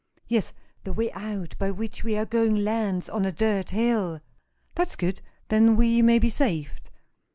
"Yes; the way out by which we are going lands on a dirt hill." "That's good; then we may be saved."